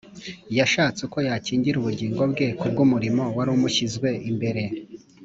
, yashatse uko yakingira ubugingo bwe kubw’umurimo wari umushyizwe imbere